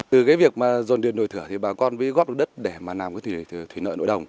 từ cái việc mà dồn điền nổi thửa thì bà con với góp đất để mà nàm cái thủy nợ nội đồng